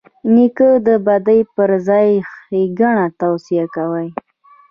نیکه د بدۍ پر ځای ښېګڼه توصیه کوي.